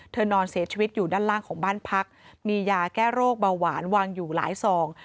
นอนเสียชีวิตอยู่ด้านล่างของบ้านพักมียาแก้โรคเบาหวานวางอยู่หลายซอง